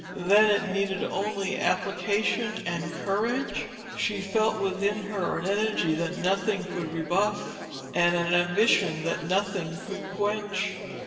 Then it needed only application and courage? She felt within her an energy that nothing could rebuff and an ambition that nothing could quench.